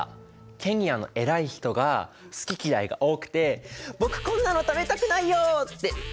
ケニアの偉い人が好き嫌いが多くて「僕こんなの食べたくないよ！」って言ったからでしょ。